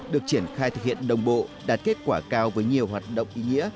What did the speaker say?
được triển khai thực hiện đồng bộ đạt kết quả cao với nhiều hoạt động ý nghĩa